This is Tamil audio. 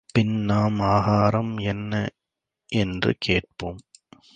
பின் நாம் ஆகாரம் என்ன —என்று கேட்போம்.